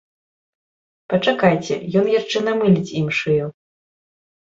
Пачакайце, ён яшчэ намыліць ім шыю!